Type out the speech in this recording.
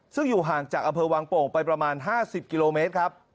ซึ่งอยู่ห่างจากอำเภอวังโป่งไปประมาณ๕๐กิโลเมตรครับ